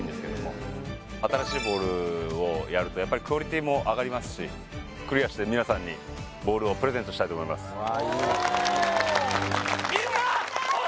新しいボールをやるとやっぱりクオリティーも上がりますしクリアして皆さんにボールをプレゼントしたいと思います